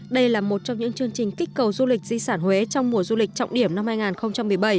đây là một trong những chương trình kích cầu du lịch di sản huế trong mùa du lịch trọng điểm năm hai nghìn một mươi bảy